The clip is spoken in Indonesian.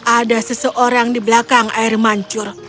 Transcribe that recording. ada seseorang di belakang air mancur